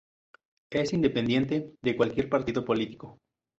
Es independiente de cualquier partido político.